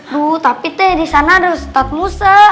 tuh tapi tuh di sana ada ustadz musa